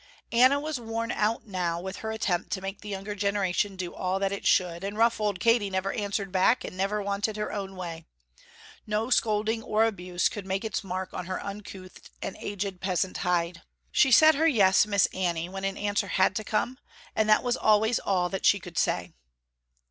Anna was worn out now with her attempt to make the younger generation do all that it should and rough old Katy never answered back, and never wanted her own way. No scolding or abuse could make its mark on her uncouth and aged peasant hide. She said her "Yes, Miss Annie," when an answer had to come, and that was always all that she could say.